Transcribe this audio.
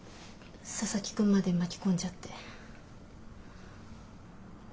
佐々木くんまで巻き込んじゃって。